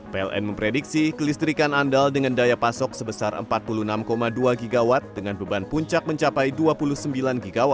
pln memprediksi kelistrikan andal dengan daya pasok sebesar empat puluh enam dua gw dengan beban puncak mencapai dua puluh sembilan gw